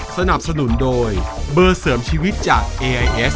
สนับสนุนโดยเบอร์เสริมชีวิตจากเอเอส